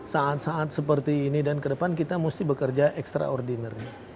saat saat seperti ini dan kedepan kita mesti bekerja extraordinary